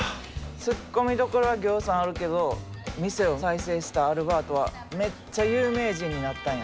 ツッコミどころはぎょうさんあるけど店を再生したアルバートはめっちゃ有名人になったんや。